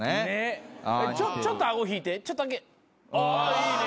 いいね。